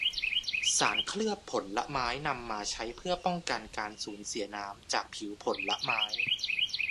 สารเคลือบผลไม้นำมาใช้เพื่อป้องกันการสูญเสียน้ำจากผิวผลไม้